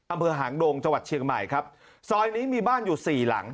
อำเภอหางดงจังหวัดเชียงใหม่ครับซอยนี้มีบ้านอยู่สี่หลัง